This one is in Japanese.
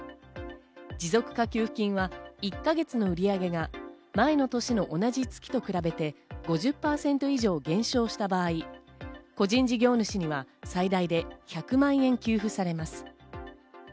持続化給付金は１か月の売り上げが前の年の同じ月と比べて５０％以上減少した場合、個人事業主には最大で１００万円給付されます。